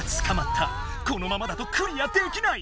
このままだとクリアできない！